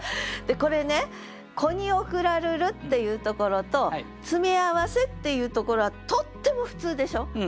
これね「子に贈らるる」っていうところと「詰合せ」っていうところはとっても普通でしょ。